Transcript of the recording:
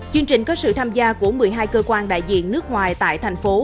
chương trình có sự tham gia của một mươi hai cơ quan đại diện nước ngoài tại thành phố